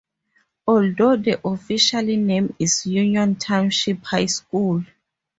Although the official name is Union Township High School.